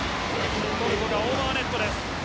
トルコのオーバーネットです。